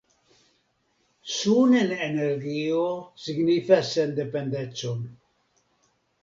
Sunenenergio signifas sendependecon!